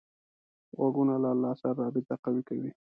غوږونه له الله سره رابطه قوي کوي